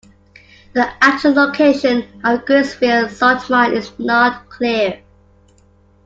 The actual location of Greigsville Salt Mine is not clear.